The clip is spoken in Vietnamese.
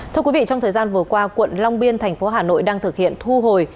thưa quý vị trong thời gian vừa qua quận long biên thành phố hà nội đang thực hiện thu hồi